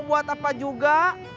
mau buat apa juga